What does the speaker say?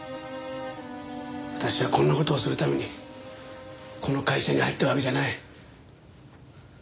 私はこんな事をするためにこの会社に入ったわけじゃない。